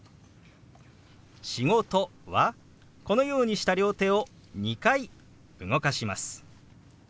「仕事」はこのようにした両手を２回動かします。